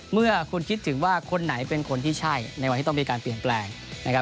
เมื่อคุณคิดถึงว่าคนไหนเป็นคนที่ใช่ในวันที่ต้องมีการเปลี่ยนแปลงนะครับ